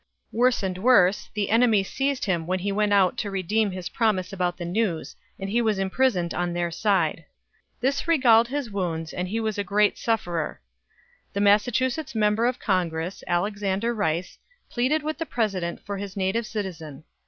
Worse and worse, the enemy seized him when he went out to redeem his promise about the news, and he was imprisoned on their side. This regalled his wounds and he was a great sufferer. The Massachusetts member of Congress, Alexander Rice, pleaded with the President for his native citizen.